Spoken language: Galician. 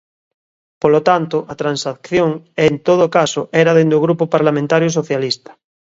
Polo tanto, a transacción, en todo caso, era dende o Grupo Parlamentario Socialista.